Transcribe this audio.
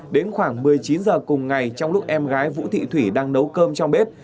đến khoảng một mươi chín h cùng ngày trong lúc em gái vũ thị thủy đang nấu cơm trong bếp